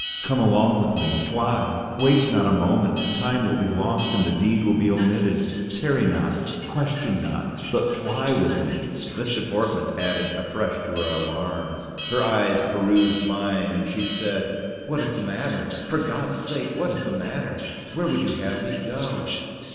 "Come along with me; fly; waste not a moment; time will be lost, and the deed will be omitted. Tarry not, question not, but fly with me." This deportment added afresh to her alarms. Her eyes pursued mine, and she said, "What is the matter? For God's sake, what is the matter? Where would you have me go?"